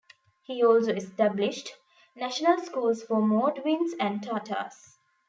He also established national schools for Mordvins and Tatars.